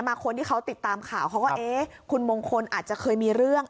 คนที่เขาติดตามข่าวเขาก็เอ๊ะคุณมงคลอาจจะเคยมีเรื่อง